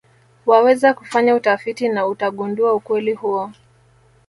Waweza kufanya utafiti na utagundua ukweli huo